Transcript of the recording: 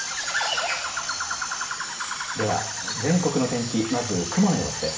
では全国の天気、まず雲の様子です。